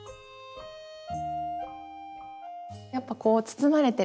やっぱこう包まれてる